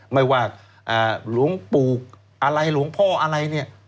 ไม่ว่าหลวงปู่อะไรหลวงพ่ออย่างไร